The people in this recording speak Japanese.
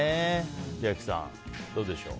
千秋さん、どうでしょう。